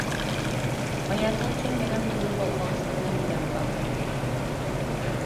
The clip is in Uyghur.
-باياتىن كىم بىلەن بىللە بولغانلىقىمنى بىلەملا!